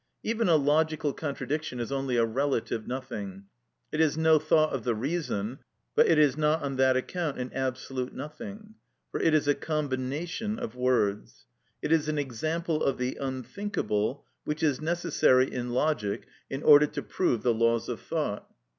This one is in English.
Even a logical contradiction is only a relative nothing. It is no thought of the reason, but it is not on that account an absolute nothing; for it is a combination of words; it is an example of the unthinkable, which is necessary in logic in order to prove the laws of thought.